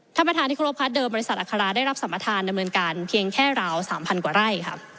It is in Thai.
ท่านประธานที่ครบค่ะเดิมบริษัทอัคราได้รับสัมประธานดำเนินการเพียงแค่ราว๓๐๐กว่าไร่ค่ะ